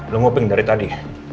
lo ngopeng dari tadi